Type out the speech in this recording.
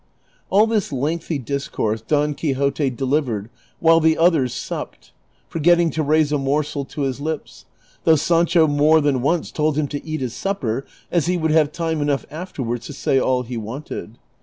All this lengthy discourse Don Quixote delivered while the others supped, forgetting to raise a morsel to his lips, though Sancho more than once told him to eat his supper, as he would have time enough afterwards to say all he wanted.